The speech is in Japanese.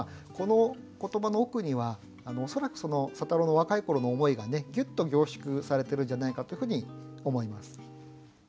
この言葉の奥には恐らく佐太郎の若い頃の思いがねぎゅっと凝縮されているんじゃないかというふうに思います。